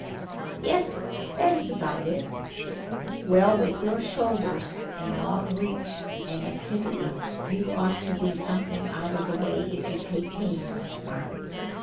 "Yes, that is about it." "Well, with your shoulders and long reach and activity, you ought to be something out of the way if you take pains, Mark.